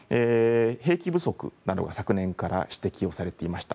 兵器不足などが昨年から指摘されていました。